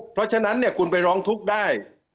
เพราะฉะนั้นเนี่ยคุณไปร้องทุกข์ได้